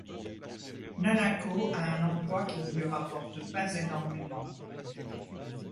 Nanako a un emploi qui ne lui rapporte pas énormément.